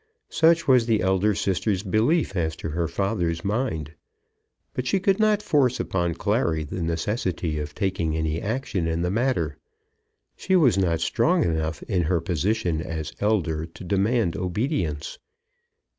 Such was the elder sister's belief as to her father's mind. But she could not force upon Clary the necessity of taking any action in the matter. She was not strong enough in her position as elder to demand obedience.